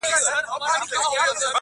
o چي ته مزاج د سپيني آیینې لرې که نه,